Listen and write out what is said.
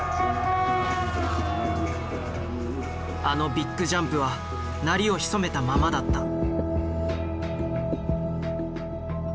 あのビッグジャンプは鳴りを潜めたままだった。